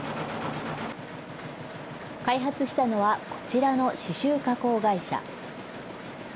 開発したのは、こちらの刺しゅう加工会社。